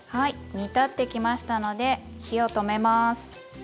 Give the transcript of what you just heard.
煮立ってきましたので火を止めます。